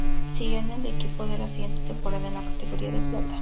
Siguió en el equipo en la siguiente temporada, en la categoría de plata.